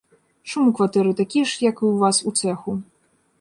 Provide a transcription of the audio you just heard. Шум у кватэры такі ж, як і ў вас у цэху.